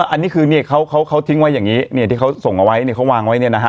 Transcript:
อันนี้คือเนี่ยเขาเขาทิ้งไว้อย่างนี้เนี่ยที่เขาส่งเอาไว้เนี่ยเขาวางไว้เนี่ยนะฮะ